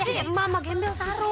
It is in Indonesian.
lu sih emak mbak gembel saru